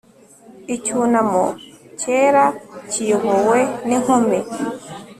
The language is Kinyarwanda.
Icyunamo cyera kiyobowe ninkumi